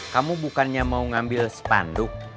kamu bukannya mau ngambil spanduk